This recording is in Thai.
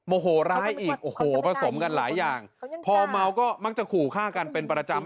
โหร้ายอีกโอ้โหผสมกันหลายอย่างพอเมาก็มักจะขู่ฆ่ากันเป็นประจำ